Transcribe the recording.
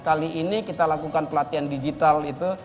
kali ini kita lakukan pelatihan digital itu